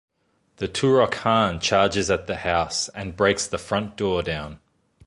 The Turok-Han charges at the house and breaks the front door down.